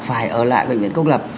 phải ở lại bệnh viện công lập